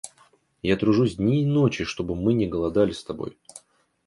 Я тружусь дни и ночи, чтобы мы не голодали с тобой.